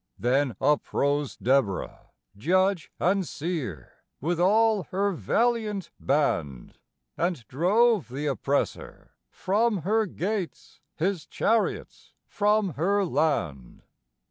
Then up rose Deborah, judge and seer, with all her valiant band, And drove the oppressor from her gates, his chariots from her land.